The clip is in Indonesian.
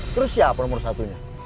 terus siapa nomor satunya